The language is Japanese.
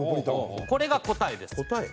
これが答えです。